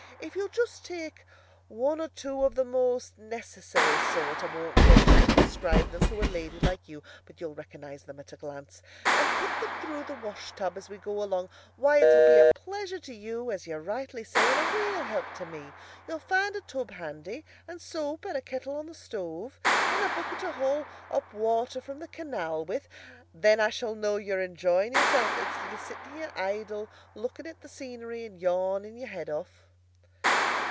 If you'll just take one or two of the most necessary sort—I won't venture to describe them to a lady like you, but you'll recognise them at a glance—and put them through the wash tub as we go along, why, it'll be a pleasure to you, as you rightly say, and a real help to me. You'll find a tub handy, and soap, and a kettle on the stove, and a bucket to haul up water from the canal with. Then I shall know you're enjoying yourself, instead of sitting here idle, looking at the scenery and yawning your head off."